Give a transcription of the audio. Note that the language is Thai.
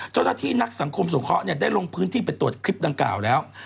ส่วนด้วยที่นักสังคมสวงเคาะได้ลงพื้นที่ไปตรวจคลิปดังกล่าวแล้ว